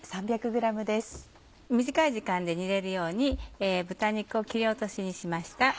短い時間で煮れるように豚肉を切り落としにしました。